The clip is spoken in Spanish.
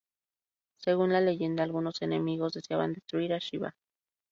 Según la leyenda, algunos enemigos deseaban destruir a Shivá.